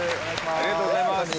ありがとうございます。